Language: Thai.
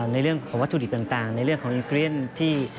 ในเรื่องของวัตถุดิบต่างในเรื่องของอิเกรียนที่